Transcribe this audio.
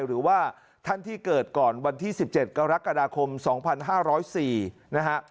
หรือว่าท่านที่เกิดก่อนวันที่๑๗กรกฎาคม๒๕๐๔นะฮะ